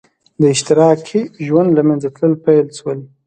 د اشتراکي ژوند له منځه تلل پیل شول.